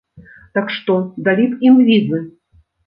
Так што, далі б ім візы?